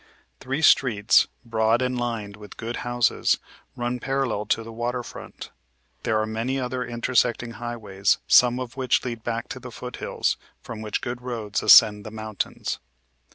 Three streets, broad and lined with good houses, run parallel to the water front. There are many other intersecting highways, some of which lead back to the foothills, from which good roads ascend the mountains.